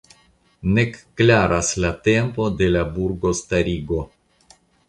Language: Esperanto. Nek klaras la tempo de la burgostarigo.